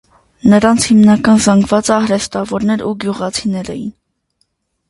Նրանց հիմնական զանգվածը արհեստավորներ ու գյուղացիներ էին։